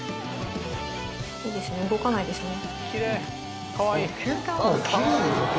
いいですね動かないですね。